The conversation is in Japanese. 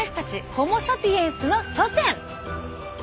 ホモ・サピエンスの祖先！